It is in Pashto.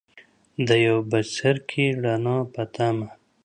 د یو بڅرکي ، رڼا پۀ تمه